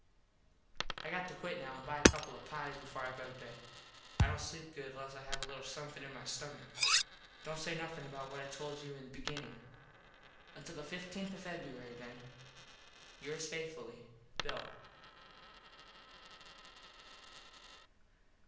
I got to quit now and buy a couple of pies before I go to bed. I dont sleep good less I have a little somethin on my stummick. Dont say nothin about what I told you in the beginnin. Until the 15th Feb. then. Yours faithfully, _Bill.